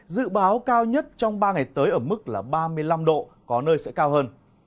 dự báo cao nhất trong ba ngày tới ở mức là ba mươi năm độ có nơi sẽ cao hơn